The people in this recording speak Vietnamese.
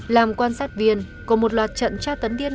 làm quan sát viên có một loạt trận tra tấn điên